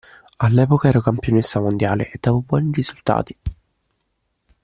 All'epoca ero campionessa mondiale e davo buoni risultati.